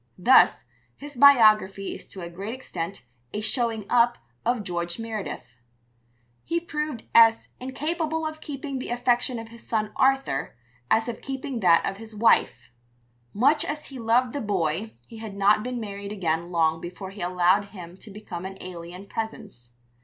Thus, his biography is to a great extent a "showing up" of George Meredith. He proved as incapable of keeping the affection of his son Arthur, as of keeping that of his wife. Much as he loved the boy he had not been married again long before he allowed him to become an alien presence.